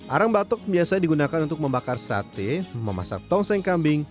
arang batok biasa digunakan untuk membakar sate memasak tongseng kambing